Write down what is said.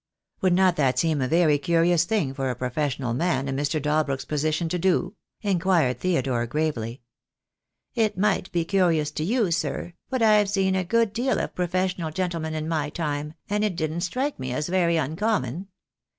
"Would not that seem a very curious thing for a professional man in Mr. Dalbrook's position to do?" in quired Theodore, gravely. "It might seem curious to you, sir, but I've seen a good deal of professional gentlemen in my time, and it didn't strike me as very uncommon.